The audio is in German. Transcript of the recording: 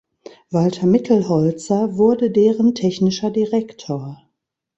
Walter Mittelholzer wurde deren technischer Direktor.